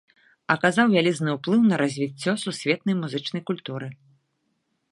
Аказаў вялізны ўплыў на развіццё сусветнай музычнай культуры.